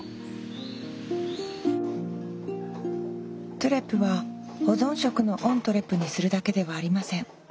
トゥレは保存食のオントゥレにするだけではありません。